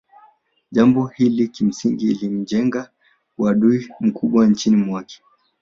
Jambo hili kimsingi ilimjengea uadui mkubwa nchini mwake